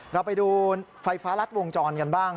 เราไปดูไฟฟ้ารัดวงจรกันบ้าง